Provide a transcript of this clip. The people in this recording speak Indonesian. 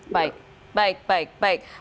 baik baik baik